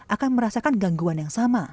akan merasakan gangguan yang sama